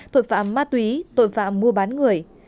tội phạm ma túy tội phạm mua bán người